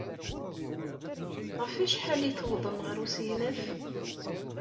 Ɣef wacḥal ay tewwḍem ɣer usegnaf?